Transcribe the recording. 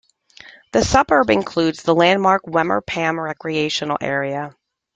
The suburb includes the landmark Wemmer Pan recreational area.